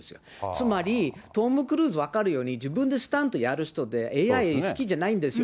つまり、トム・クルーズ、分かるように、自分でスタントやる人で、ＡＩ好きじゃないんですよ。